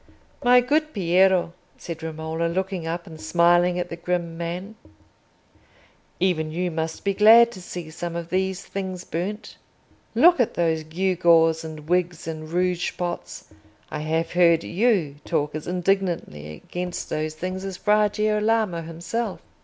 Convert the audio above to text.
"My good Piero," said Romola, looking up and smiling at the grim man, "even you must be glad to see some of these things burnt. Look at those gewgaws and wigs and rouge pots: I have heard you talk as indignantly against those things as Fra Girolamo himself."